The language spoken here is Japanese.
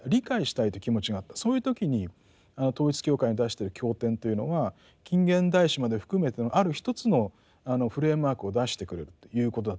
そういう時に統一教会の出してる経典というのが近現代史まで含めてのある一つのフレームワークを出してくれるということだったと思うんですね。